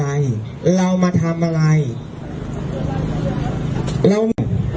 ไปหาเราที่บ้าน